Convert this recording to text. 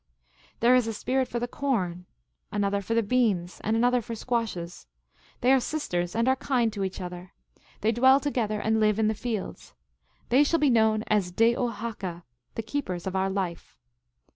" There is a spirit for the corn, another for beans, another for squashes. They are sisters, and are very kind to each other. They dwell together, and live in the fields. They shall be known as De o ha ka, the keepers of our life.